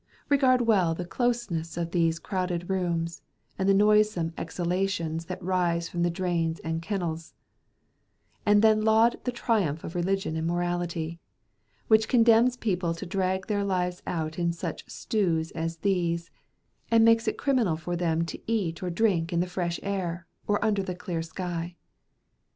Regard well the closeness of these crowded rooms, and the noisome exhalations that rise from the drains and kennels; and then laud the triumph of religion and morality, which condemns people to drag their lives out in such stews as these, and makes it criminal for them to eat or drink in the fresh air, or under the clear sky.